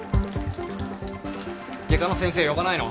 外科の先生呼ばないの？